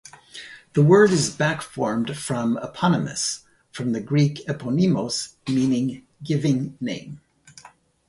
The word is back-formed from "eponymous", from the Greek "eponymos" meaning "giving name".